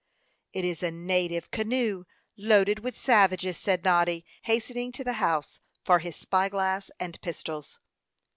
"It is a native canoe loaded with savages," said Noddy, hastening to the house for his spy glass and pistols.